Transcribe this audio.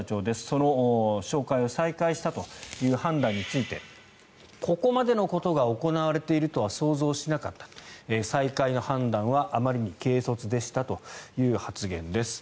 その紹介を再開したという判断についてここまでのことが行われているとは想像しなかった再開の判断はあまりに軽率でしたという発言です。